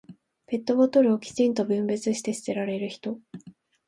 ペットボトルをきちんと分別して捨てられる人。